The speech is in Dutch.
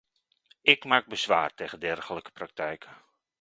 Ik maak bezwaar tegen dergelijke praktijken.